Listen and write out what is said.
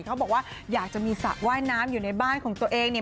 เขาบอกว่าอยากจะมีสระว่ายน้ำอยู่ในบ้านของตัวเองเนี่ย